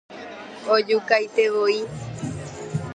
Ojukaitevoi.